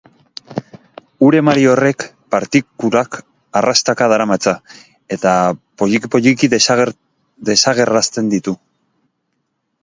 Ur-emari horrek partikulak arrastaka daramatza eta poliki-poliki desagerrarazten ditu.